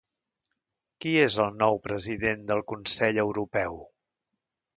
Qui és el nou president del Consell Europeu?